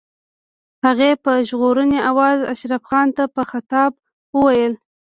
هغې په ژړغوني آواز اشرف خان ته په خطاب وويل.